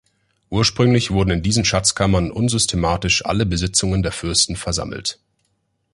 Ursprünglich wurden in diesen Schatzkammern unsystematisch alle Besitzungen der Fürsten versammelt.